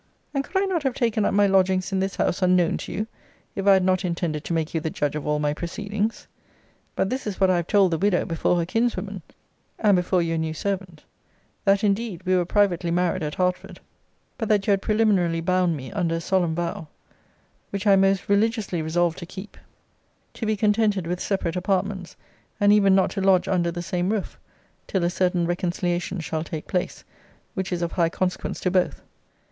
and could I not have taken up my lodgings in this house unknown to you, if I had not intended to make you the judge of all my proceedings? But this is what I have told the widow before her kinswomen, and before your new servant 'That indeed we were privately married at Hertford; but that you had preliminarily bound me under a solemn vow, which I am most religiously resolved to keep, to be contented with separate apartments, and even not to lodge under the same roof, till a certain reconciliation shall take place, which is of high consequence to both.'